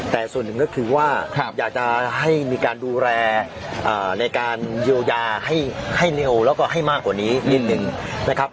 แต่ส่วนหนึ่งก็คือว่าอยากจะให้มีการดูแลในการเยียวยาให้เร็วแล้วก็ให้มากกว่านี้นิดนึงนะครับ